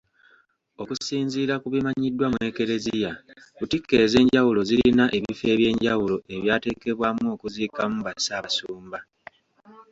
Okusinziira ku bimanyiddwa mu Eklezia, Lutikko ez'enjawulo zirina ebifo ebyenjawulo ebyateekebwamu okuziikamu ba Ssaabasumba.